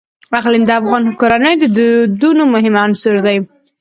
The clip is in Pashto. اقلیم د افغان کورنیو د دودونو مهم عنصر دی.